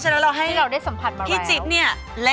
กีต้าที่เราได้สัมผัสมาแล้ว